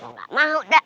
enggak mau dek